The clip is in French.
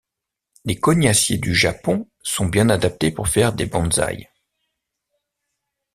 Les cognassiers du Japon sont bien adaptés pour faire des bonsaï.